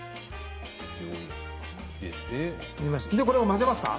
これを混ぜますか？